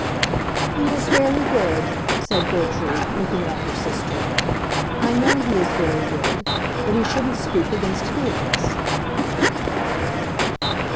"He is very good," said Gertrude, looking at her sister. "I know he is very good. But he shouldn't speak against Felix."